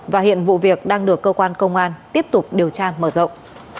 và hiện vụ việc đang được cơ quan công an tiếp tục điều tra mở rộng